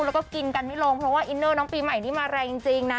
แล้วก็กินกันไม่ลงเพราะว่าอินเนอร์น้องปีใหม่นี้มาแรงจริงนะ